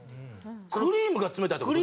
クリームが冷たいって事？